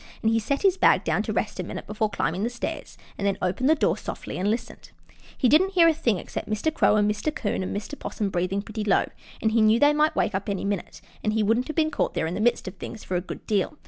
He set his bag down to rest a minute before climbing the stairs, and then opened the doors softly and listened. He didn't hear a thing except Mr. Crow and Mr. 'Coon and Mr. 'Possum breathing pretty low, and he knew they might wake up any minute, and he wouldn't have been caught there in the midst of things for a good deal.